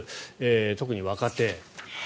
特に若手。